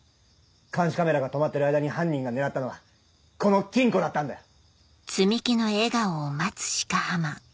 監視カメラが止まってる間に犯人が狙ったのはこの金庫だったんだよ！